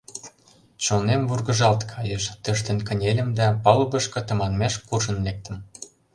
Чонем вургыжалт кайыш, тӧрштен кынельым да палубышко тыманмеш куржын лектым.